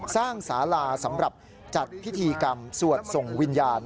สาลาสำหรับจัดพิธีกรรมสวดส่งวิญญาณ